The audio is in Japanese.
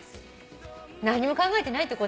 何も考えてないってこと？